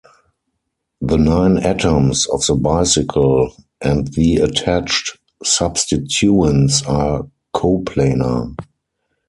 The nine atoms of the bicycle and the attached substituents are coplanar.